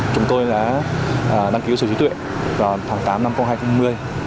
chúng tôi đã đăng ký sở hữu trí tuệ vào tháng tám năm hai nghìn hai mươi